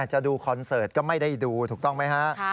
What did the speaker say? จะดูคอนเสิร์ตก็ไม่ได้ดูถูกต้องไหมฮะ